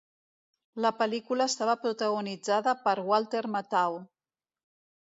La pel·lícula estava protagonitzada per Walter Matthau.